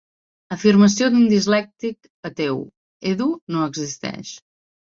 Afirmació d'un dislèctic ateu: "Edu no existeix".